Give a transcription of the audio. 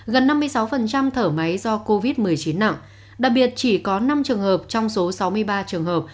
gần năm mươi sáu thở máy do covid một mươi chín nặng đặc biệt chỉ có năm trường hợp trong số sáu mươi ba trường hợp